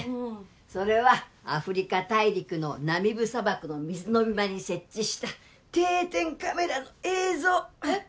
それはアフリカ大陸のナミブ砂漠の水飲み場に設置した定点カメラの映像えっ